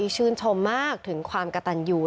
ชื่นชมมากถึงความกระตันอยู่